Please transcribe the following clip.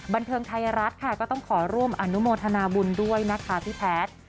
บันเทิงไทยรัฐค่ะก็ต้องขอร่วมอนุโมทนาบุญด้วยนะคะพี่แพทย์